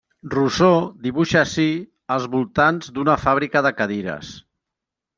Rousseau dibuixa ací els voltants d'una fàbrica de cadires.